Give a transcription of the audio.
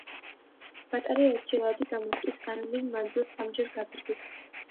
ბატარეა ერთჯერადი დამუხტვით განვლილ მანძილს სამჯერ გაზრდის.